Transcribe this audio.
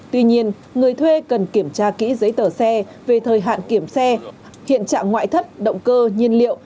tuy nhiên người thuê cần kiểm tra kỹ giấy tờ xe về thời hạn kiểm xe hiện trạng ngoại thất động cơ nhiên liệu